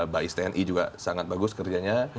bais tni juga sangat bagus kerjanya